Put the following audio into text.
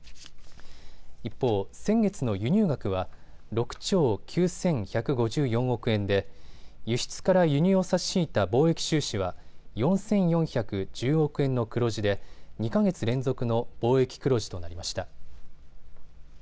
一方、先月の輸入額は６兆９１５４億円で輸出から輸入を差し引いた貿易収支は４４１０億円の黒字で２か月連続の貿易黒字となりました。